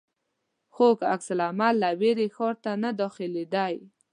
خلکو عکس العمل له وېرې ښار ته نه داخلېدی.